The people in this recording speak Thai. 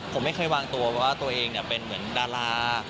ผมไม่เคยวางตัวว่าตัวเองเป็นเหมือนดารา